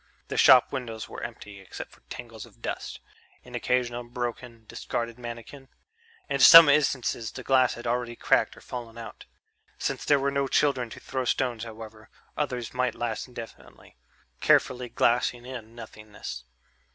The shop windows were empty, except for tangles of dust ... an occasional broken, discarded mannequin.... In some instances the glass had already cracked or fallen out. Since there were no children to throw stones, however, others might last indefinitely, carefully glassing in nothingness.